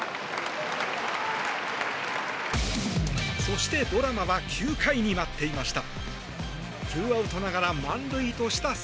そして、ドラマは９回に待っていました。